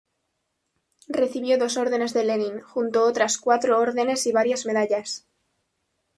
Recibió dos Órdenes de Lenin, junto otras cuatro órdenes y varias medallas.